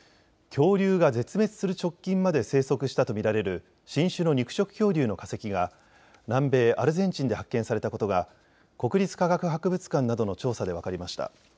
恐竜が絶滅する直近まで生息したと見られる新種の肉食恐竜の化石が南米アルゼンチンで発見されたことが国立科学博物館などの調査で分かりました。